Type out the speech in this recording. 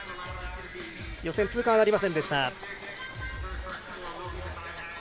予選通過はなりませんでした。